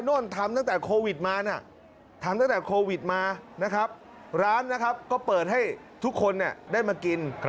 โน่นทำตั้งแต่โควิดมานะทำตั้งแต่โควิดมานะครับร้านนะครับก็เปิดให้ทุกคนได้มากิน